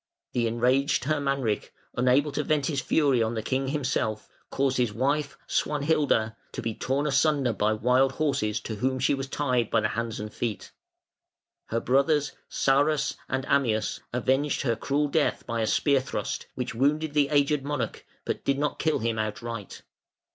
The enraged Hermanric, unable to vent his fury on the king himself, caused his wife, Swanhilda, to be torn asunder by wild horses to whom she was tied by the hands and feet. Her brothers, Sarus and Ammius, avenged her cruel death by a spear thrust, which wounded the aged monarch, but did not kill him outright.